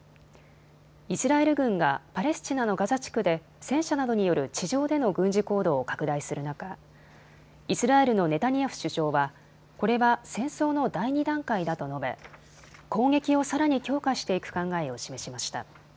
イスラエル軍がパレスチナのガザ地区で戦車などによる地上での軍事行動を拡大する中、イスラエルのネタニヤフ首相はこれは戦争の第２段階だと述べ攻撃をさらに強化していく考えを示しました。